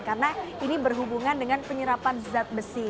karena ini berhubungan dengan penyerapan zat besi